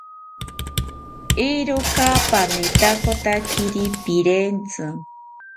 Eeroka pamitakotakiri pirentzi